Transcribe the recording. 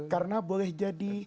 karena boleh jadi